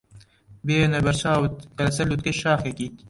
بهێنە بەرچاوت کە لەسەر لووتکەی شاخێکیت.